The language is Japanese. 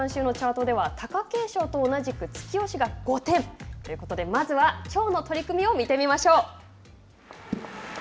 親方監修では、貴景勝と同じく、突き押しが５点。ということで、まずはきょうの取組を見てみましょう。